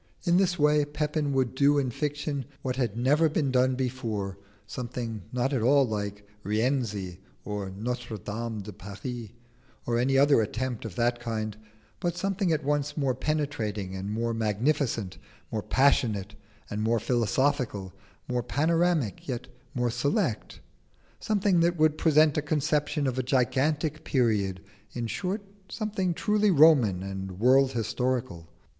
In this way Pepin would do in fiction what had never been done before: something not at all like 'Rienzi' or 'Notre Dame de Paris,' or any other attempt of that kind; but something at once more penetrating and more magnificent, more passionate and more philosophical, more panoramic yet more select: something that would present a conception of a gigantic period; in short something truly Roman and world historical.